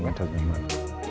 aman dan nyaman